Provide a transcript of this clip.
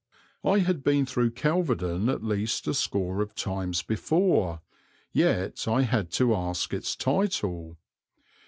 I had been through Kelvedon at least a score of times before, yet I had to ask its title.